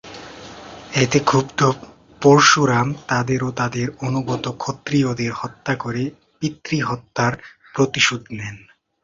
এতে ক্ষুব্ধ পরশুরাম তাদের ও তাদের অনুগত ক্ষত্রিয়দের হত্যা করে পিতৃহত্যার প্রতিশোধ নেন।